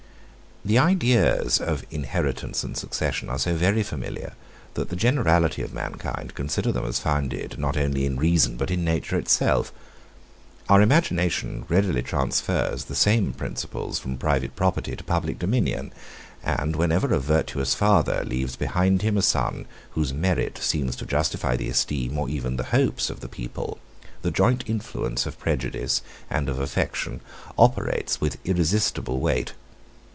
The ideas of inheritance and succession are so very familiar, that the generality of mankind consider them as founded not only in reason but in nature itself. Our imagination readily transfers the same principles from private property to public dominion: and whenever a virtuous father leaves behind him a son whose merit seems to justify the esteem, or even the hopes, of the people, the joint influence of prejudice and of affection operates with irresistible weight.